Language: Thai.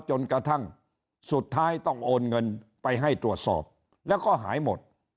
จนกระทั่งสุดท้ายต้องโอนเงินไปให้ตรวจสอบแล้วก็หายหมด